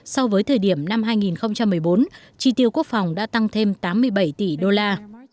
so với thời điểm năm hai nghìn một mươi bốn chi tiêu quốc phòng đã tăng thêm tám mươi bảy tỷ đô la